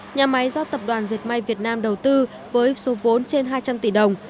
nhà máy do tập đoàn diệt may việt nam đầu tư với số vốn trên hai trăm linh tỷ đồng